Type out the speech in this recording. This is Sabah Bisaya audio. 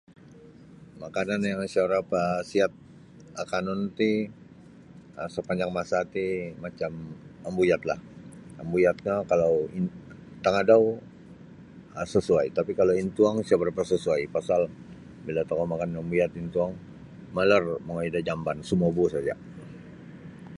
Makanan yang isa barapa siat akanun ti um sapanjang masa ti macam ambuyat lah ambuyat no kalau int tangadau um sesuai kalau intuong isa barapa sesuai pasal bila kita makan ambuyat da intuong malar mongoi da jamban sumobu saja.